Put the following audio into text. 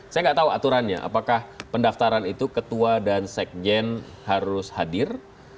saya nggak tahu aturannya apakah pendaftaran itu ketua dan sekjen harus hadir